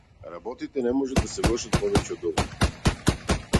Работите не можат да се влошат повеќе од ова.